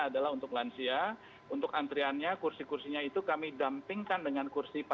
ini adalah proses yang kami lakukan untuk antriannya kursi kursinya itu kami dampingkan dengan kursi para perempuan